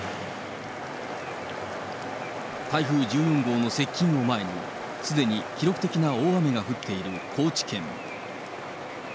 台風１４号の接近を前に、すでに記録的な大雨が降っている高知県。